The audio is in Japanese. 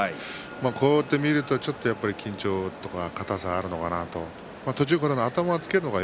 こうやって見るとちょっと緊張とか硬さはあるのかなと途中から頭をつけるのが